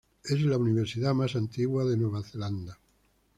Es la universidad más antigua de Nueva Zelanda.